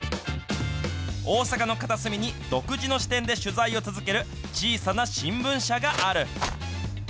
大阪の片隅に独自の視点で取材を続ける小さな新聞社がある。